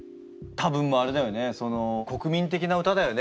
多分もうあれだよね？